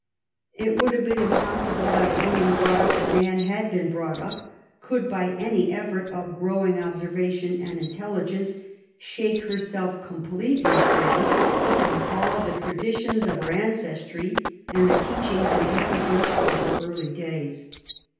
It would have been impossible that a woman brought up as Anne had been brought up could by any effort of growing observation and intelligence shake herself completely free from all the traditions of her ancestry and the teachings and habitudes of her early days.